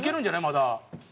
まだ。